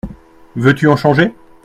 Veux-tu en changer ?